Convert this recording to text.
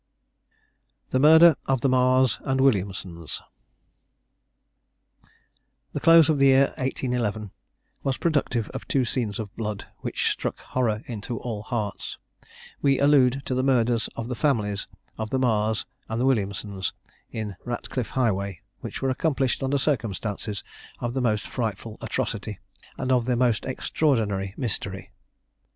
THE MURDER OF THE MARRS AND WILLIAMSONS. The close of the year 1811 was productive of two scenes of blood, which struck horror into all hearts; we allude to the murders of the families of the Marrs and Williamsons, in Ratcliffe Highway, which were accomplished under circumstances of the most frightful atrocity, and of the most extraordinary mystery.